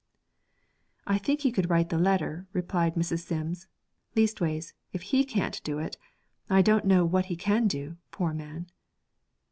'I think he could write the letter,' replied Mrs. Sims; 'leastways, if he can't do that, I don't know what he can do, poor man.'